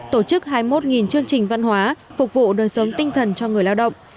tổ chức hai mươi một chương trình văn hóa phục vụ đời sống tinh thần cho người lao động